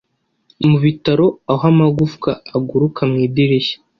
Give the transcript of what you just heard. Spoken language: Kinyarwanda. mu bitaro aho amagufwa aguruka mu idirishya